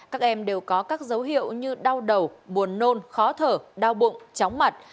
các em đều có các dấu hiệu như đau đầu buồn nôn khó thở đau bụng chóng mặt